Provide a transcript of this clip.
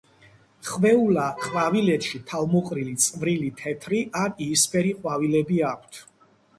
ხვეულა ყვავილედში თავმოყრილი წვრილი თეთრი ან იისფერი ყვავილები აქვთ.